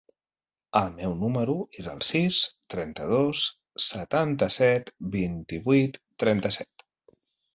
El meu número es el sis, trenta-dos, setanta-set, vint-i-vuit, trenta-set.